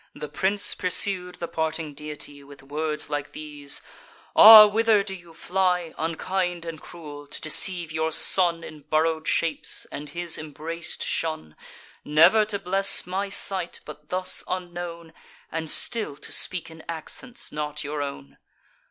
The prince pursued the parting deity With words like these: "Ah! whither do you fly? Unkind and cruel! to deceive your son In borrow'd shapes, and his embrace to shun; Never to bless my sight, but thus unknown; And still to speak in accents not your own."